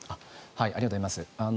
ありがとうございます。